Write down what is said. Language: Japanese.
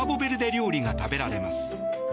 料理が食べられます。